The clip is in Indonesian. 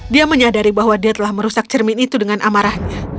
dia menyadari bahwa dia telah merusak cermin itu dengan amarahnya